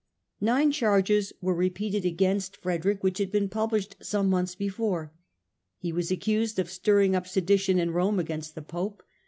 Nine charges were repeated against 162 STUPOR MUNDI Frederick which had been published some months before. He was accused of stirring up sedition in Rome against the Pope.